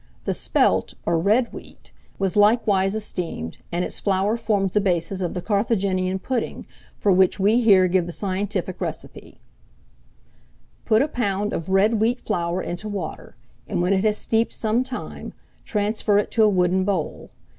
The Spelt, or Red wheat, was likewise esteemed, and its flour formed the basis of the Carthaginian pudding, for which we here give the scientific recipe: "Put a pound of red wheat flour into water, and when it has steeped some time, transfer it to a wooden bowl.